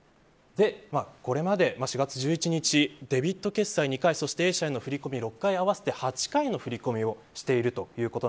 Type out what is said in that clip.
これまで４月１１日デビット決済２回そしてＡ社への振り込み６回合わせて８回の振り込みをしています。